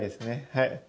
はい。